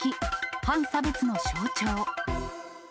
反差別の象徴。